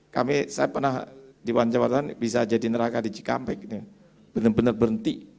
kami saya pernah di wanjabatan bisa jadi neraka di cikampek benar benar berhenti